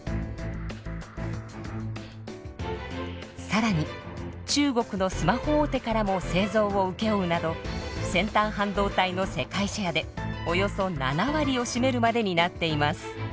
更に中国のスマホ大手からも製造を請け負うなど先端半導体の世界シェアでおよそ７割を占めるまでになっています。